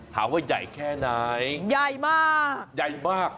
ถามว่าใหญ่แค่ไหนใหญ่มาก